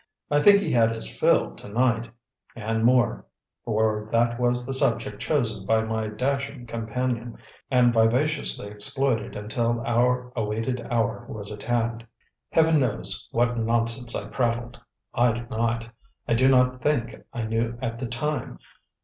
I think he had his fill to night and more; for that was the subject chosen by my dashing companion, and vivaciously exploited until our awaited hour was at hand. Heaven knows what nonsense I prattled, I do not; I do not think I knew at the time.